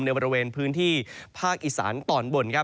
ในบริเวณพื้นที่ภาคอีสานตอนบนครับ